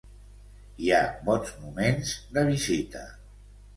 Hi ha bons moments de visita.